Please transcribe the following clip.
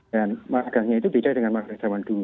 dan agangnya itu beda dengan agang zaman dulu